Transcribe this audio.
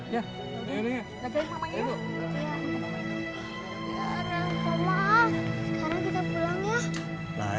jagain mamanya ya